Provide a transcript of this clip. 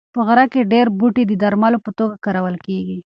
په غره کې ډېر بوټي د درملو په توګه کارول کېږي.